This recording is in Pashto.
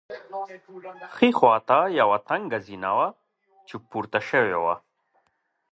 ښي خوا ته یوه تنګه زینه وه چې پورته شوې وه.